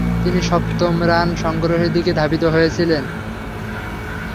তিনি সপ্তম রান সংগ্রহের দিকে ধাবিত হয়েছিলেন।